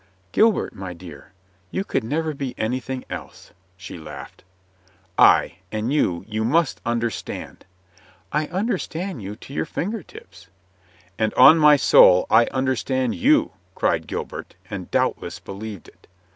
"Gilbert, my dear, you could never be anything else," she laughed. "Ay, and you, you must understand —" "I understand you to your finger tips." "And on my soul I understand you," cried Gil bert, and doubtless believed it.